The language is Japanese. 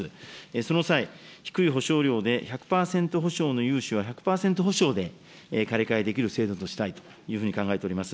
その際、低い保証料で１００％保証の融資は１００％ほしょうで借り換えできる制度としたいと考えております。